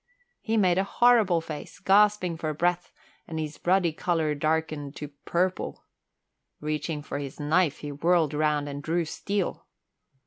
He made a horrible face, gasping for breath, and his ruddy colour darkened to purple. Reaching for his knife he whirled round and drew steel.